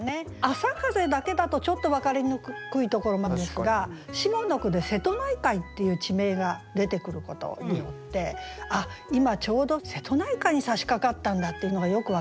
「あさかぜ」だけだとちょっと分かりにくいところもあるんですが下の句で瀬戸内海っていう地名が出てくることによって今ちょうど瀬戸内海にさしかかったんだっていうのがよく分かりますよね。